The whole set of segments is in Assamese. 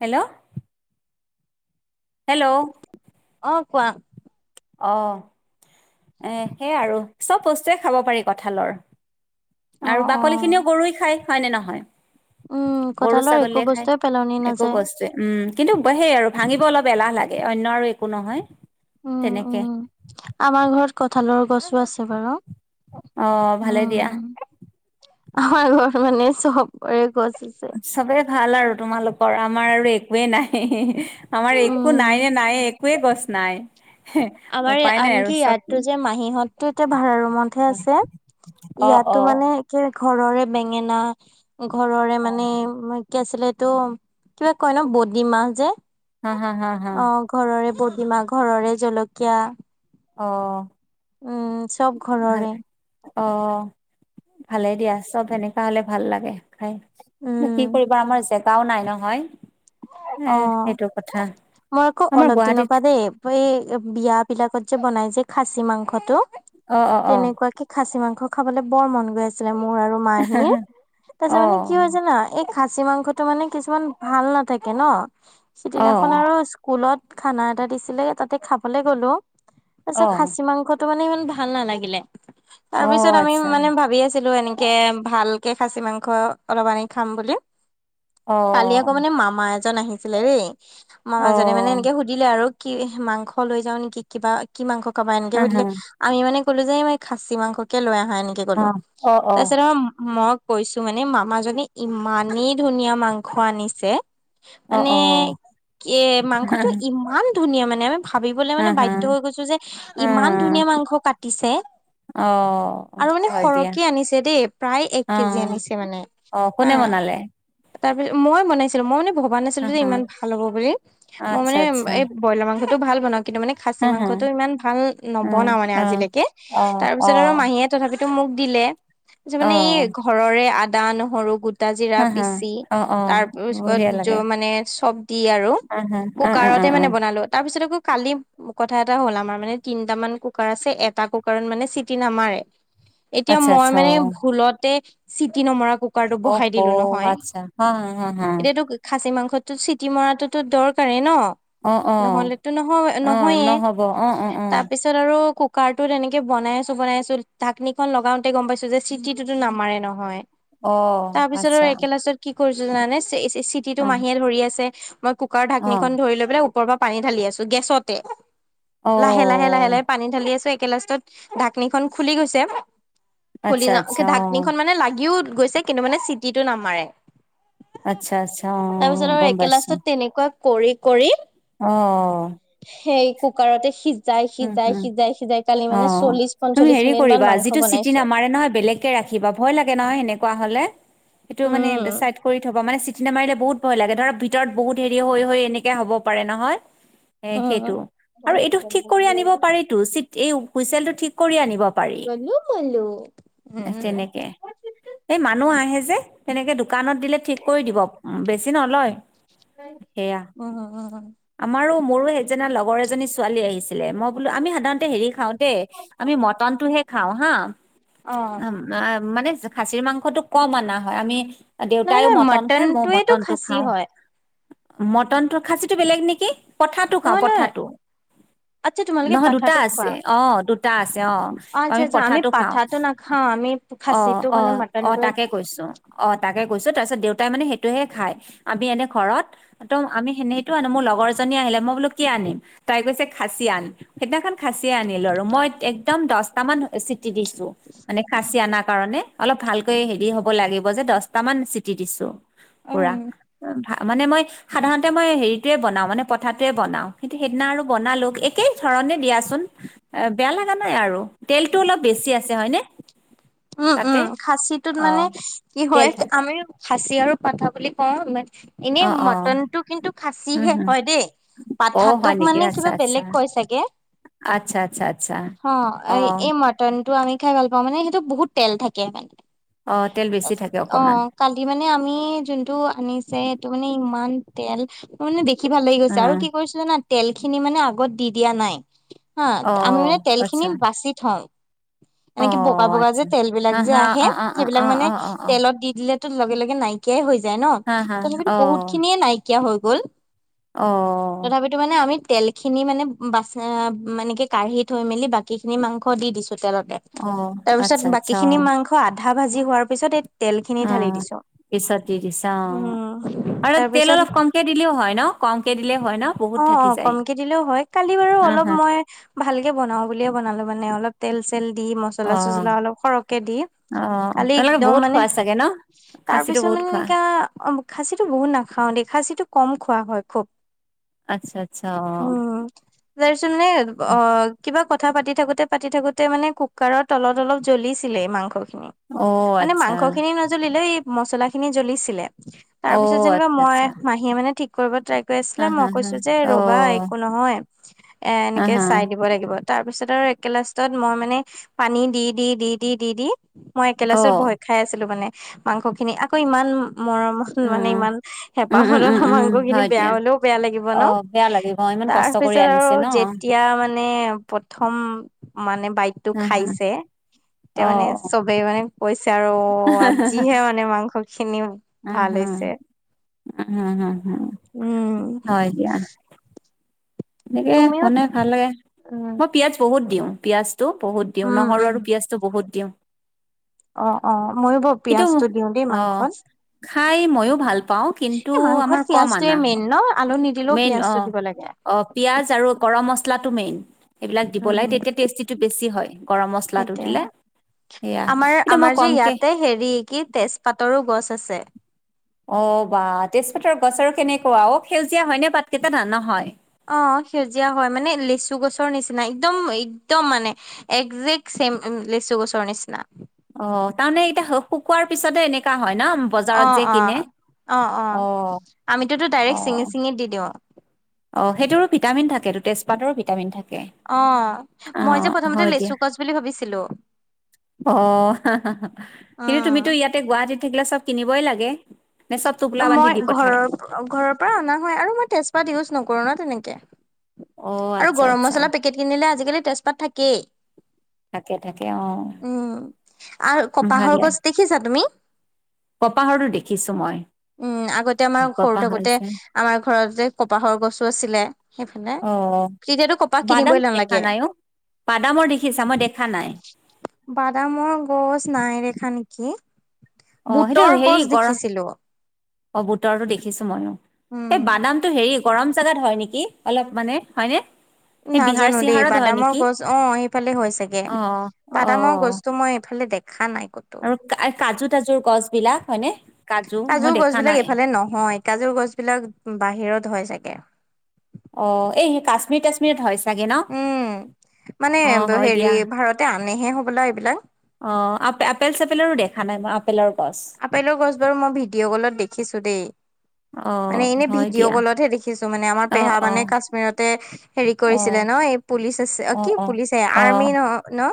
হেল্ল' হেল্ল' অ কোৱা- অ' এ সেই আৰু চব বস্তুৱে খাব পাৰি কঁঠালৰ। অ আৰু অ বাকলি খিনিও গৰুই খায়, হয় নে নহয়? উম'। গৰু কঁঠালৰ একো ছাগলীয়ে খাই, বস্তুৱে পেলনি একো নাযায় বস্তুয়ে, উম', কিন্তু সেই আৰু, ভাঙিব অলপ এলাহ লাগে। এ', অন্য আৰু একো নহয়। উম', তেনেকে উম', আমাৰ ঘৰত কঠালৰ গছো আছে বাৰু। অ', ভালে দিয়া। হয় আৰু মানে চবৰে গছ আছে চবে ভাল আৰু তোমালোকৰ, আমাৰ আৰু একোৱে নাই। আমাৰ একো নাই নে নাইয়ে, একোৱে গছ নাই। আমাৰে উপায় নাই আৰু আনকি চব ইয়াতটো যে মাহীহঁতটো এতিয়া ভাড়া ৰুমতহে আছে। অ' ইয়াতো অ' মানে কি ঘৰৰে বেঙেনা, ঘৰৰে মানে অ' কি আছিল এইটো, কিবা কয় ন বদিমাহ যে, হা হা হা হা অ', ঘৰৰে বদ্‌ মা ঘৰৰে জলকীয়া। অ'। উম'। চব ভাল, ঘৰৰে অ', ভালেই দিয়া, চব সেনেকুৱা হ'লে ভাল লাগে খাই। কি উম কৰিবা আমাৰ জেগাও নাই নহয়। এ অ', সেইটো কথা মই আকৌ আমাৰ অলপ দিনৰ গুৱাহাটীত পৰা দেই, এই বিয়াত বিলাকত যে বনাই যে খাচী মাংসটো, অ অ তেনেকুৱাকে খাচী মাংস- খাবলৈ বৰ মন গৈ আছিলে মোৰ আৰু মাহীৰ, অ অ তাপিছত মানে কি হয় জানা খাচী মাংসটো মানে কিছুমান ভাল নাথাকে ন, অ সিদিনাখন আৰু স্কুলত খানা এটা দিছিলে, তাতে খাবলে গ'লো। অ তাছত খাচী মাংসত তো মানে ইমান ভাল নালাগিলে, তাৰ অ পিছত আমি আচ্ছা মানে ভাবি আছিলোঁ এনে কে ভালকে খাচী মাংস অলপ আনি খাম বুলি। অ কালি আকৌ মানে মামা এজন আহিছিলে দেই। অ মামাজনে মানে এনেকে সুধিলে আৰু কি মাংস লৈ যাওঁ নেকি? কিবা, কি মাংস কাবা? এনেকে হা হা সুধিলে, আমি মানে ক'লো যে-ম এই খাচী মাংসকে লৈ আহা এনেকে অ ক'লো। অ অ তাৰপিছত আৰু মই কৈছোঁ মানে মামাজনে ইমানেই ধুনীয়া মাংস আনিছে! অ মানে, অ এ', মাংসটো ইমান ধুনীয়া মানে আমি ভাবিবলে হা মানে হা বাধ্য হৈ গৈছো যে, অ ইমান ধুনীয়া মাংস কাটিছে। অ আৰু মানে হয় দিয়া সৰহকে আনিছে দেই, প্ৰায় এক অ কেজি আনিছে মানে। অ', কোনে বনালে? তাৰ পিছত মই বনাইছিলোঁ, মই মানে ভবা হা নাছিলোঁ যে হা ইমান ভাল হ'ব বুলি। মই আচ্ছা মানে আচ্ছা এই ব্ৰইলাৰ মাংস টো ভাল বনা কিন্তু মানে খাচী হা হা মাংসটো ইমান ভাল নবনাও মানে অ আজিলেকে। অ অ তাৰপিছত আৰু অ মাহীয়ে তথাপিত মোক দিলে যে মানে এই অ ঘৰৰে আদা নহৰু গোট টা জিৰা হা হা পিচি অ অ বঢ়িয়া লাগে তাৰ-পিছত মানে চব দি আৰু, হা হা অ অ অ কুকাৰতে অ মানে বনালোঁ। তাৰ পিছত আকৌ কালি-কথা এটা হ'ল আমাৰ মানে তিনটা মান কুকাৰ আছে, এটা কুকাৰত মানে চিটি নামাৰে! এতিয়া আচ্ছা মই আচ্ছা অ মানে ভুলতে চিটি নমৰা কুক্‌ কুকাৰটো বহাই দিলোঁ অহ নহয়, আচ্ছা হা হা হা হা এতিয়াতো খাচী মাংসতটো চিটি মৰাটোতো দৰকাৰে ন অ অ নহ'লেতো অ নহয়-নহয়ে নহ'ব অ অ অ তাৰপিছত আৰু কুক কাৰটোত এনেকে বনাই আছো -বনাই আছো, ঢাক্নিখন লগাওতে গম পাইছো যে চিটি টোতো নামাৰে নহয়। অ তাৰ পিছত আৰু আচ্ছা একে লাষ্টত কি কৰিছো জানানে চি-চিটিটো অ মাহীয়ে ধৰি আছে। মই কুকাৰৰ অ ঢাকনিখন ধৰি লৈ পেলাই উপ পৰ পৰা পানী ঢালি আছো, গেছতে। অ লাহে - লাহে - লাহে - লাহে পানী ঢালি আছো এক কে লাষ্টত ঢাক্‌নিখন খুলি গৈছে। খুলি আচ্ছা যা মানে আচ্ছা অ ঢাকনিখন মানে লাগিও গৈছে, কিন্তু মানে চিটিটো নামাৰে। আচ্ছা আচ্ছা অ তাৰপিছত আৰু গম পাইছো একেলাষ্টত তেনেকুৱা কৰি কৰি অ সেই কুকুৰটে সিজাই - উম হম সিজাই - সিজাই - সিজাই কালি অ, মানে চল্লিশ তুমি পঞ্চল্লিশ হেৰি মিনিট মান কৰিবা মাংস যিটো চিটি বনাইছো নমাৰে নহয় বেলেগকে ৰাখিবা ভয় লাগে নহয় এনেকুৱা। হ'লে উম সেইটো ষ্টাৰ্ট কৰি থবা মানে চিটি মাৰিলে বহুত ভয় লাগে ধৰক ভিতৰত বহুত হেৰি হৈ - হৈ এনেকে হ'ব পাৰে নহয়। এ উম সেইটো আৰু এইটো ঠিক কৰি আনিব পাৰিতো চি এই হুইচেল টো ঠিক কৰি আনিব। গলো মলো উম তেনেকে এই মানুহ আহে যে তেনেকে দোকানত দিলে ঠিক কৰি দিব বেছি ন লয়। উম - উম। আমাৰো মোৰো সেইজনা লগৰ এজনী ছোৱালী আহিছিলে মই বোলো আমি সাধাৰণ হেৰি খাও দেই আমি মটনটোহে খাও হা অ মানে খাচীৰ মাংসটো কম অনা হয় আমি নহয় দেউতাইও নহয় মটন খাই মই মটনটোৱেটো মটনটো খাচী খাও হয় মটন খাচীটো বেলেগ নেকি? পঠাতটো খাও নহয় নহয় পঠাটো আচ্ছা তোমালোকে নহয় দুটা পাঠাটো খোৱা আছে অ, দুটা আছে। অ, আচ্ছা আমি আচ্ছা পঠাটো খাও পাঠাটো নাখাও আমি অ খাচীটো - অ মানে - অ মটনটোৱে তাকে কৈছো। অ, তাকে কৈছো তাৰপিছত দেউতাই মানে সেইটো খাই আমি এনে ঘৰত ত, আমি সেনে সেটো মোৰ লগৰ আহিলে মই বোলো কি আনিম তাই কৈছে খাচি আনি সেইদিনাখন খাচি আনিলো আৰু মই একদম দশটা মান চিটি দিছো মানে খাচী আনা কাৰণে। অলপ ভালকৈ হেৰি হ'ব লাগিব যে দশটামান চিটি দিছো পুৰা উম মানে মই সাধাৰতে মই হেৰিতয়ে বনাও মানে পথাটোৱে বনাও কিন্তু সেইদিনা আৰু বনালো একেই ধ দিয়াচোন বেয়া লগা নাই আৰু তেলতটো অলপ বেছি আছে হয় নে। উম - উম খাচীটোত মানে কি তেল হয় থাকে আমি খাচী আৰু কথা বুলি কও ম এনেই অ', অ', মটনটো কিন্তু উম, খাচিহে হম, হয় দেই অ', হয় পাঠাতোক নেকি মানে আচ্ছা, কিবা আচ্ছা, বেলেগ কৈ চাগে। আচ্ছা, আচ্ছা, আচ্ছা, অ, অ', এই মটনটো আমি খাই ভাল পাও মানে সেইটো বহুত তেল থাকে মানে অ', তেল বেছি থাকে অ, অকমান কালি মানে আমি যোনটো আনিছে সেইটো মানে ইমান তেল মানে দেখি ভাল লাগি গৈছে আৰু অ', কি কৰিছিলে না তেল খিনি মানে আগত দি দিয়া নাই হা আমি অ', মানে তেল খিনি আচ্ছা, বাচি থও। অ, আচ্ছা। বিলাক হা, যে হা, আহে অ', অ', অ', সেইবিলাক অ', মানে অ', অ', অ', তেলত দি দিলেতো লগে - লগে নাইকিয়াই হৈ যায় ন হা, হা, তথাপিতো বহুত অ', খিনিয়ে নাইকিয়া হৈ গল অ', তথাপিতো মানে আমি তেল খিনি মানে বাচ মানে কাঢ়ি থৈ মেলি বাকি খিনি মাংস দি দিছো। চোতলতে অ', তাৰ পিছত আচ্ছা, বাকী আচ্ছা, খিনি অ', মাংস আধা ভাজি হোৱাৰ পিছত এই তেল খিনি ঢালি অ', দিছো। পিছত দি দিছে অ, উম আৰু তেল তাৰপিছত অলপ কমকে দিলেও হয় ন কমকে দিলে হয় ন বহুত অ - অ থাকি যায় কমকে দিলেও হয় কালি বাৰু হা, অলপ হা, মই ভালকে বনাও বুলিয়ে বনালো মানে অলপ তেল চেল দি মচলা অ', চচলা অলপ সৰহকে দি অ', খালি তোমালোকে একদম বহুত মানে খোৱা চাগে ন' তাৰ খাচীটো পিছত বহুত মানে এনো খোৱা অ, খাচীটো বহুত নাখাও দেই খাচীটো কম খোৱা হয় খুব। আচ্ছা, আচ্ছা, অ', উম, তাৰপিছত মানে অ, কিবা কথা কঠা পাতি থাকোতে - পাতি থাকোতে মানে কুকাৰৰ তলত অলপ জ্বলিছিলে এই মাংসটো অ', মানে আচ্ছা, মাংস খিনি নজ্বলিলেও এই মচলা খিনি জ্বলিছিলে। তাৰ পিছত অ', যেনিবা আচ্ছা, মই আচ্ছা, মাহীয়ে মানে ঠিক কৰিব ট্ৰাই হা, হা, মই হা, কৈছো যে ৰ'বা অ', একো নহয় এ হা, এনেকে হা, চাই দিব লাগিব তাৰপিছত ৰ একেলাষ্টত মই মানে পানী দি দি দি দি দি দি মই একেলাচত অ', ভয় খাই আছিলো মানে মাংস খিনি আকৌ ইমান মৰম উম, মানে ইমান হেঁপাহ উম, উম, ফদনৰ উম, উম, মাংসখিনি হয় বেয়া দিয়া। হলেও বেয়া লাগিব ন অ', বেয়া লাগিব ইমান তাৰ কষ্ট কৰি পিছত আৰু আনিছে ন, যেতিয়া মানে প্ৰথম মানে বাইদটো হা, হা, খাইছে তেতিয়া মানে অ', চবেই মানে কৈছে আৰু আজিহে মানে মাংস খিনি উম, ভাল হম, হৈছে উম, হম, হম, হম উম হয় দিয়া, এনেকে তুমিও মনোই ভাল লাগে উম মই পিয়াজ বহুত দিওঁ পিয়াজ বহুত দিওঁ উম নহৰু উম আৰু পিয়াজ টো বহুত দিওঁ অ অ ময়ো ব কিন্তু পিয়াজটো দিওঁ দেই মাংস অ', খাই মইও ভাল পাওঁ কিন্তু মাংসত আমাৰ কম পিয়াজটোৱে আনা মেইন হয় ন আলু নিদিলেও মেইন অ পিয়াজটো দিব লাগে। অ পিয়াজ আৰু গৰম মচলাটো মেইন এইবিলাক দিব লাগে উম। তেতিয়া টেষ্টিটো বেছি হয় গৰম মছলাটো সেইটোয়ে দিলে সেয়া কিন্তু মই আমাৰ যে কমকে ইয়াতে হেৰি কি তেজপাতৰো গছ আছে অ বাাহ তেজপাতৰ গছ আৰু কেনেকুৱা অও সেউজীয়া হয়নেে বাট কেইটা ধান নাহ হয় অ সেউজীয়া হয় মানে লেচু গছৰ নিচিনা একদম একদম মানে একজেক্ লেচু গছৰ নিচিনা অ তাৰমানে এতিয়া শুকোৱাৰ পিছতে এনেককাা হয় ন অ বজাৰত যে অ। কিনে অ অ আমিতোতো অ ডাইৰেক্ট চিঙি চিঙি দি দিওঁ অ সেইটো ভিামিন থাকেটো তেজপাতৰো ভিটামিন থাকে অ অ মই যে হয় প্ৰথমতে দিয়া লেচু গছ বুলি ভাবিছিলো অ কিন্তু উম তুমিতো ইয়াতে গুৱাহাটীত থাকিলে চব কিনিবই লাগে নে চব টোপোলা বান্ধি ৰৰ দি পঠায় পৰা অ হয় আৰু মই তেজপাত নকৰো তেনে অ আৰু আচ্ছা গৰম আচ্ছা মছলা পেকেট কিনিলে আজিকালি তেজপাত থাকেই থাকে থাকে অ উম আৰু কপাহৰ গছ দেখিছা তুমি কপাহৰো দেখিছো মই উম আগতে আমাৰ সৰু কপাহৰ থাকোতে যে আমাৰ ঘতে যে কপাহৰ গছো আছিলে সেইফালে অ তেতিয়াতো কপাহ কিনিবই বাদামটো দেখা নালাগে নাই অ বাদামৰ দেখিছা মই দেখা নাই বাদামৰ গছ নাইদেখা নেকি অ সেইটো বুটৰ হেৰি গছ কৰা দেখিছিলো অ বুতৰটো দেখি দেখিছো ময়ো উম এই বাদামতটো হেৰি গৰম জাগাত হয় নেকি অলপ মানে হয়নে সেই বিহাৰ নাজানো দেই চিহাৰত হয় বাদামৰ নেকি গছ অ সেইফালে হৈ চাগে অ অ বাদামৰ গস্তু মই এইফালে দেখো আৰু কাজু তাজুৰ গছ বিলাক হয়নে কাজু মই দেখা নাই কাজু গছ বিলাক বাহিৰত হয় চাগে অ এই কাশ্মীৰ তাশ্মীৰত হয় চাগে ন উম মানে অ হয় হেৰি দিয়া ভাৰতে আনেহে হ'বলা এইবিলাক অ আপেল চেপেলৰো দেখা নাই ম আপেলৰ গছ বাৰু মই ভিডিঅ' কলত দেখিছো দেই অ মানে এনে হয় ভিডিঅ' দিয়া কলতহে দেখিছো মানে আমাৰ অ পেহা অ মানে কাশ্মীৰতে হেৰি কৰিছিলে অ', ন এই পুলিচ আছে অ', কি অ', পুলিচ আহ অ', আৰ্মি ন ন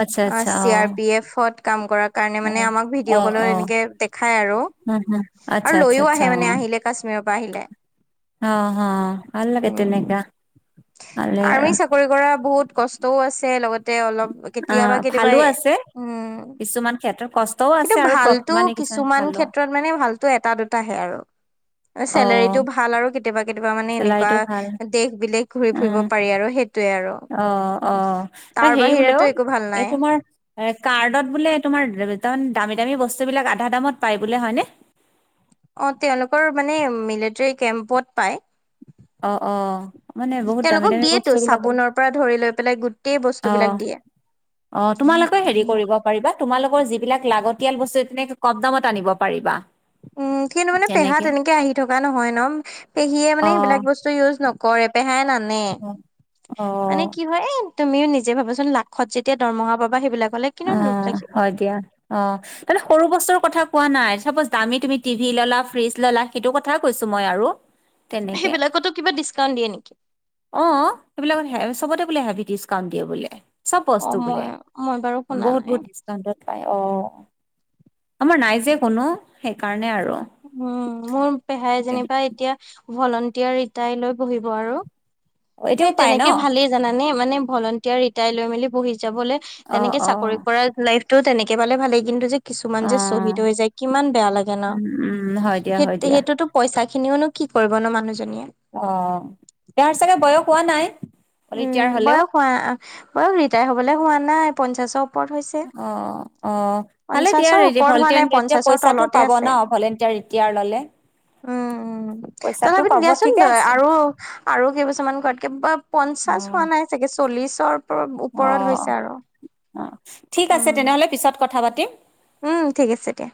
আচ্ছা আচ্ছা চি আৰ অ', পি এফ কাম কৰাৰ কাৰণে মানে অ', আমাক ভিডিঅ' অ', কলত অ', এনেকে খাই আৰু হম হম, আচ্ছা আৰু আচ্ছা লৈও আচ্ছা আহে অ', মানে আহিলে কাশ্মীৰৰ পৰা আহিলে অ হ ভাল লাগে উম তেনেকা ভালে আৰু আৰ্মি চাকৰি কৰা বহুত কষ্টও আছে লগতে অলপ কেতিয়াবা অ', কেতিয়াবা ভালো আছে উম কিছুমান ক্ষেত্ৰত কষ্টও কিন্তু আছে আৰু প্ৰ ভালতটো মানে কিছুমান ভালো ক্ষেত্ৰত মানে ভালতটো এটা দুটাহে আৰু অ', চেলৰিতটো ভাল আৰু কেতিয়াবা কেতিয়াবা মানে চেলাৰীটো ভাল এনেকুৱা দেশ বিদেশ ঘূৰি ফুৰিব উম, পাৰি আৰু সেইটোয়ে আৰু ন তাৰ হেৰি বোলে বাহিৰেতো অ একো ভাল এই নাই তোমাৰ এ কাৰ্ডত বোলে তোমাৰ তমান দামী দামী বস্তুবলাক আধা দামত পায় বোলে হয়নে অ তেওঁলোকৰ মানে মিলিটৰী কেম্পত পায় অ অ মানে বহুত দামী দামী দিয়েতো বস্তু বিলাকৰ চাবোনৰ পৰা ধৰি লৈ পেলাই গোটেই বস্তু অ বিলাক দিয়ে অ তোমালোকেও হেৰি কৰিব পাৰিবা তোমালোকৰ যিবিলাক লাগতিয়াল বস্তু এনে কম দামত আনিব পাৰিবা উম সেইু মানে পেহা তেনেকে তে এনেকে আহি থকা নহয় ন পেহীয়ে অ মানে এইবিলাক বস্তু ইউজ নকৰে পেহাই নানে অ অ মানে কি হয় তুমিও নিজে ভাবাচোন লাখত যেতিয়া দৰমহা পাবা সেইবিলাক হলে অ কিমান লোভ লাগিব হয় দিয়া অ তানে সৰু বস্তুৰ কথা নাই দ তুমি টি ভ ললা ফ্ৰিজ ললা সেইটো কথাই কৈছো মই আৰু তেনেকে সেইবিলাকতো কিবা ডিচকাউন্ট দিয়ে নেকি অ সেইবিলাকত হ চবতে বোলে হেভি ডিচকাউণ্ট দিয়ে বোলে চব অ বস্তু বোলে মই মই বাৰু শুনা বহুত নাই বহুত ডিচকাউন্টত প অ আমাৰ নাই যে কোনো সেইকাৰণে আৰু উম মোৰ পেহাই যেনিবা এতিয়া ভলণ্টিয়াৰ ৰিটায় লৈ বহিব আৰু এতিয়াও সেই পায় ন তেনেকে ভালেই জানানে ভলটাৰ ৰিটায় লৈ মেলি বহি যাবলে অ তেনেকে অ চাকৰি কৰা লাইফ টো তেনেকে পালে ভালেই কিন্তু যে কিছুমান অ যে শহীদ হৈ যায় কিমান বেয়া লাগে ন উম উম হয় দিয়া সেই হয় দিয়া সেইটোতো পইচা স খিনিওনো কি কৰিব ন মানুহজনীয়ে অ তেওঁৰ চাগে বয়স হোৱা নাই ৰিটায়াৰ উম হ'লেও বয়স হোৱা বয়স ৰিটায়াৰ হবলৈ হোৱা নাই পঞ্চাশ অ অ ভালে দিয়া পঞ্চাশৰ ওপৰত হোৱা ভলেট নাই এতিয়া পঞ্চাশৰ পইচাটো তলতে পাব ন আছে ভলেট ভে উম তথাপিো দিয়াচোন ঠিকে তই আছে আৰু আৰু কেইবছৰমান ঘৰতা প পঞ্চাশ অ', হোৱা নাই চাগে চল্লিশৰ ওপৰত অ', হৈছে আৰু অ', ঠিক আছে তেনেহ'লে পিছত কথা পাতিম উম ঠিক আছে দয়া